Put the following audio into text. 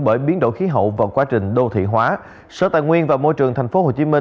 bởi biến đổi khí hậu và quá trình đô thị hóa sở tài nguyên và môi trường tp hcm